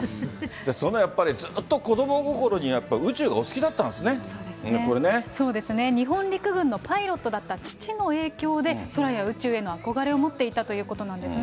そのやっぱりずっと子ども心に宇宙がお好きだったんですね、これそうですね、日本陸軍のパイロットだった父の影響で、空や宇宙への憧れを持っていたということなんですね。